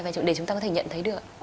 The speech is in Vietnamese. và để chúng ta có thể nhận thấy được